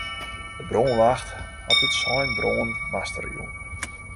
De brânwacht hat it sein brân master jûn.